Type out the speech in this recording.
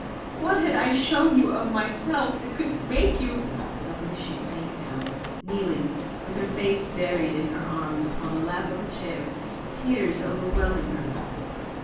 What had I shown you of myself that could make you " Suddenly she sank down, kneeling, with her face buried in her arms upon the lap of a chair, tears overwhelming her.